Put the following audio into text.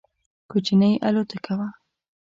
کوچنۍ الوتکه وه.